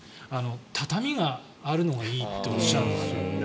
畳があるのがいいっておっしゃるんですよ。